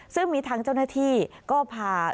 ซึ่งมีทางเจ้าหน้าที่ก็พา